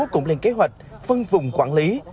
cũng lên kế hoạch phân vùng quản lý